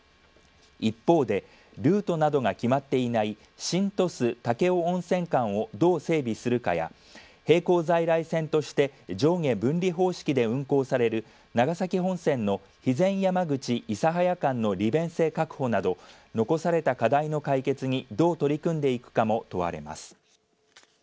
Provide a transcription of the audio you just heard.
一方でルートなどが決まっていない新鳥栖武雄温泉間を、どう整理するかや並行在来線として上下分離方式で運行される長崎本線の肥前山口、諫早間の利便性の確保など残された課題の解決にどう取り組んでいくかも問われます。